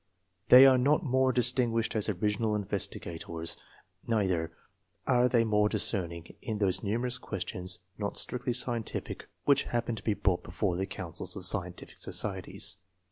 They are not more distin guished as original investigators, neither are they more discerning in those numerous ques tionS; not strictly scientific, which happen to 1.] ANTECEDENTS, 23 be brought before the councils of scientific societies.